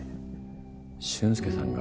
俊介さんが？